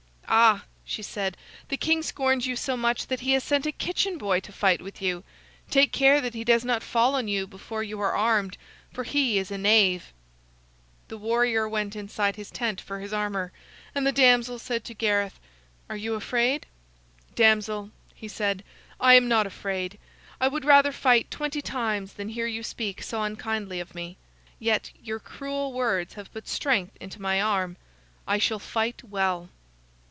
"Ah!" she said, "the king scorns you so much that he has sent a kitchen boy to fight with you. Take care that he does not fall on you before you are armed, for he is a knave." [Illustration: "Gareth rode at him fiercely"] The warrior went inside his tent for his armor, and the damsel said to Gareth: "Are you afraid?" "Damsel," he said, "I am not afraid. I would rather fight twenty times than hear you speak so unkindly of me. Yet your cruel words have put strength into my arm. I shall fight well."